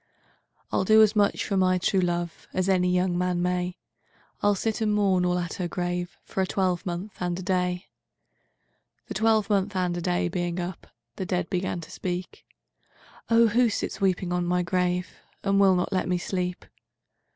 II'I'll do as much for my true loveAs any young man may; I'll sit and mourn all at her graveFor a twelvemonth and a day.'IIIThe twelvemonth and a day being up, The dead began to speak:'Oh who sits weeping on my grave, And will not let me sleep?